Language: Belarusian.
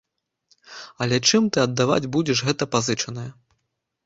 Але чым ты аддаваць будзеш гэта пазычанае?